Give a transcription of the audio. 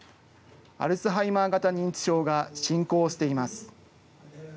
アルツハイマー型認知症が進行しています。